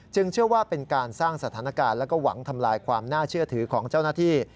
เชื่อว่าเป็นการสร้างสถานการณ์แล้วก็หวังทำลายความน่าเชื่อถือของเจ้าหน้าที่